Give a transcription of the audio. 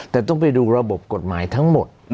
แต่ต้องไปดูระบบกฎหมายทั้งหมด